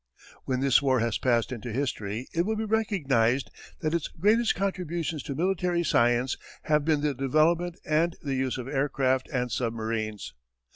When this war has passed into history it will be recognized that its greatest contributions to military science have been the development and the use of aircraft and submarines.